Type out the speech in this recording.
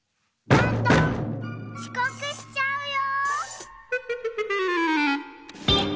ちこくしちゃうよ！